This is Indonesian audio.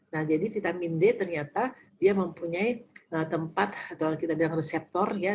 nah jadi vitamin d ternyata dia mempunyai tempat atau kita bilang reseptor ya